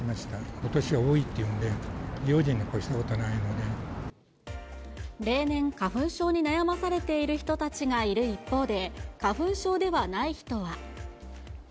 ことしは多いっていうんで、例年、花粉症に悩まされている人たちがいる一方で、花粉症ではない人は。